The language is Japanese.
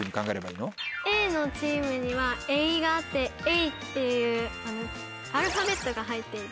Ａのチームには映画って「Ａ」っていうアルファベットが入っていて。